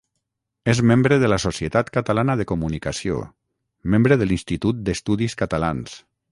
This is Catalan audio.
És membre de la Societat Catalana de Comunicació, membre de l'Institut d'Estudis Catalans.